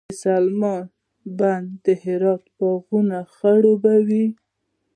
د سلما بند د هرات باغونه خړوبوي.